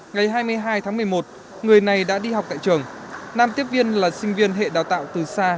ngày hai mươi hai tháng một mươi một người này đã đi học tại trường nam tiếp viên là sinh viên hệ đào tạo từ xa